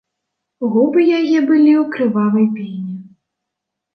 Губы яе былі ў крывавай пене.